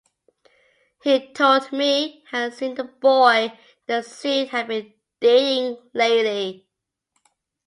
He told me he had seen the boy that Sue had been dating lately.